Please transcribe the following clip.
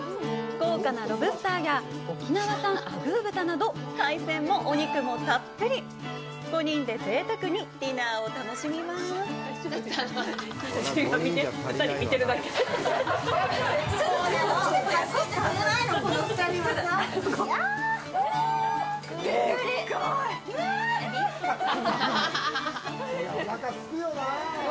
豪華なロブスターや沖縄産アグー豚など海鮮もお肉もたっぷり５人でぜいたくにディナーを楽しみますでっかい！